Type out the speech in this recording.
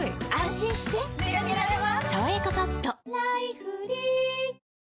心してでかけられます